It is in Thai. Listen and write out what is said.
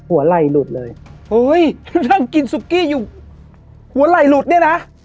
หัวไหล่หลุดเลยเฮ้ยนั่งกินซุกี้อยู่หัวไหล่หลุดเนี่ยนะ